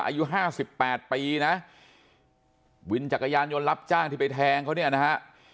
อายุห้าสิบแปดปีนะวินจักรยานยนต์รับจ้างที่ไปแทงเขาเนี่ยนะฮะ